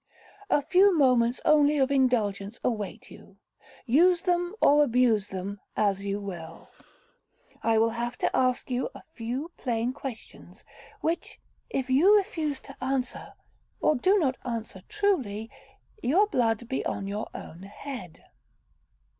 A few moments only of indulgence await you—use them or abuse them, as you will. I have to ask you a few plain questions, which, if you refuse to answer, or do not answer truly, your blood be on your own head.'